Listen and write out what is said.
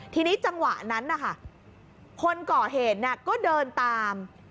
ทีนี้จังหวะนั้นนะคะคนก่อเหตุก็เดินตาม